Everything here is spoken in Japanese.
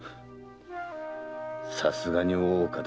さすがに大岡だ。